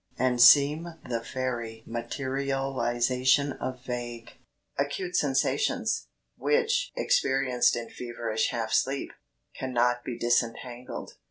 and seem the fairy materialization of vague, acute sensations, which, experienced in feverish half sleep, cannot be disentangled?